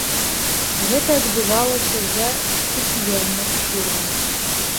Гэта адбывалася за спецыяльнай шырмай.